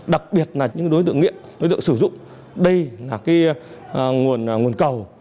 đặc biệt là những đối tượng nghiện đối tượng sử dụng đây là nguồn cầu